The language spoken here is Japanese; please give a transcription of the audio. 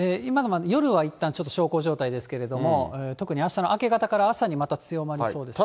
夜はいったん、ちょっと小康状態ですけれども、特にあしたの明け方から朝にまた強まりそうです。